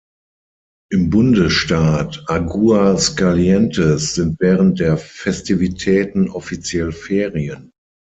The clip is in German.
Im Bundesstaat Aguascalientes sind während der Festivitäten offiziell Ferien.